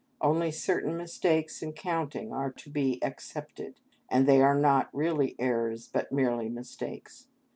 Only certain mistakes in counting are to be excepted, and they are not really errors, but merely mistakes.